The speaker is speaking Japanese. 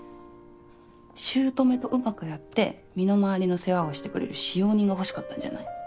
姑とうまくやって身の回りの世話をしてくれる使用人が欲しかったんじゃない？